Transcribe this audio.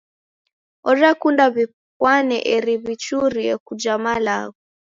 Orekunda w'ipwane eri w'ichurie kuja malagho.